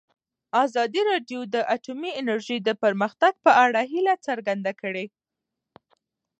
ازادي راډیو د اټومي انرژي د پرمختګ په اړه هیله څرګنده کړې.